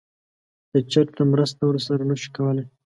که چیرته مرسته ورسره نه شو کولی